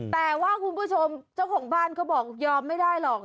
แต่ว่าคุณผู้ชมเจ้าของบ้านเขาบอกยอมไม่ได้หรอก